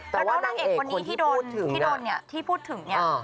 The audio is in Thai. แต่ว่านางเอกคนนี้ที่พูดถึงน่ะพี่โดนที่พูดถึงนี่อ่า